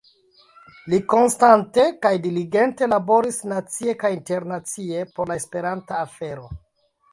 Li konstante kaj diligente laboris nacie kaj internacie por la esperanta afero.